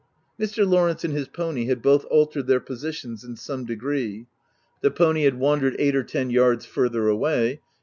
Mr. Lawrence and his pony had both altered their positions, in some degree. The pony had wandered eight or ten yards farther away ; and